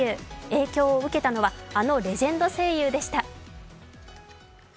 影響を受けたのはあのレジェンド声優でした。